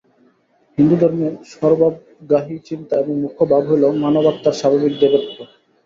হিন্দুধর্মের সর্বাবগাহী চিন্তা এবং মুখ্য ভাব হইল মানবাত্মার স্বাভাবিক দেবত্ব।